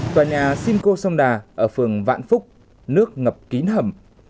tòa nhà shinco sông đà ở phường vạn phúc nước ngập kín hầm